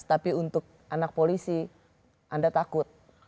tapi untuk anak polisi anda takut